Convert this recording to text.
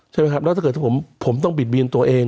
ใช่ไหมครับแล้วถ้าเกิดผมต้องบิดเบียนตัวเอง